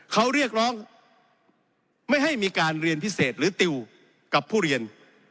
เขาเรียกร้องไม่ให้มีการเรียนพิเศษหรือติวกับผู้เรียน